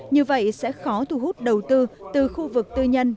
như vậy sẽ khó thu hút đầu tư từ khu vực tư nhân